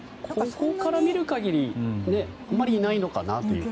ここから見る限りあまりいないのかなという。